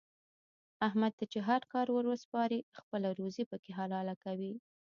احمد ته چې هر کار ور وسپارې خپله روزي پکې حلاله کوي.